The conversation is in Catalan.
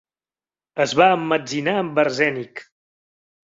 Es va emmetzinar amb arsènic.